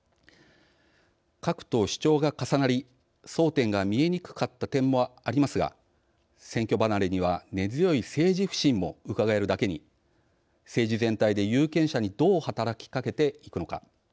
各党主張が重なり、争点が見えにくかった点もありますが選挙離れには根強い政治不信もうかがえるだけに政治全体で有権者にどう働きかけていくのか。